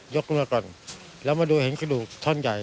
กรัวก่อนแล้วมาดูเห็นกระดูกท่อนใหญ่